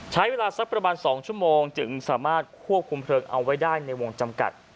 ใช้เวลาสักประมาณ๒ชั่วโมงจึงสามารถควบคุมเพลิงเอาไว้ได้ในวงจำกัด